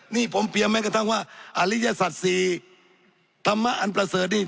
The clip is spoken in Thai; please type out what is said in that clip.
นี่ผมเปรียบแม้กระทั่งว่าอริยศัตว์๔ธรรมอันประเสริฐนี่